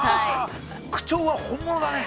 ◆口調は本物だね。